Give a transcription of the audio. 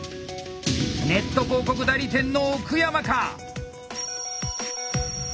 ネット広告代理店の奥山か。